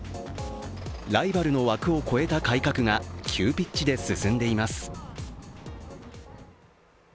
ライバルの枠を超えた改革が急ピッチで進んでいます。